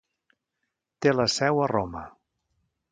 Té la seu a Roma.